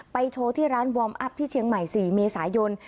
โชว์ที่ร้านวอร์มอัพที่เชียงใหม่๔เมษายน